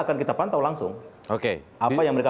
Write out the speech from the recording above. akan kita pantau langsung oke apa yang mereka